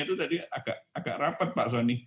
itu tadi agak rapat pak soni